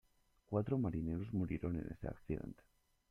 Cuatro marineros murieron en ese accidente.